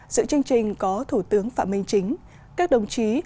sự chương trình có thủ tướng phạm minh chính các đồng chí